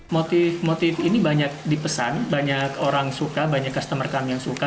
motif motif ini banyak dipesan banyak orang suka banyak customer kami yang suka